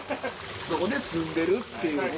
そこで住んでるっていう。